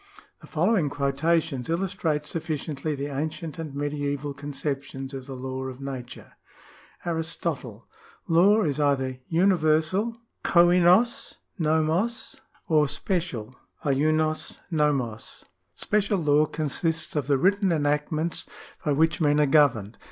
The following quotations illustrate sufficiently the ancient and medieval conceptions of the law of nature :— Aristotle. — "Law is either universal {kolvos rvfioc) or special {icioc i'OLioc). Special law consists of the written enactments by which men are governed.